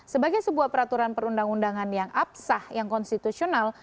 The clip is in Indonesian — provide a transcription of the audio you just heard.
sebagai sebuah peraturan perundang undangan yang absah yang konstitusional